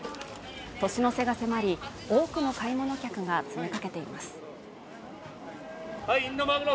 年の瀬が迫り、多くの買い物客が詰めかけています。